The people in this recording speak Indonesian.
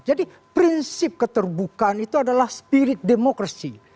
jadi prinsip keterbukaan itu adalah spirit demokrasi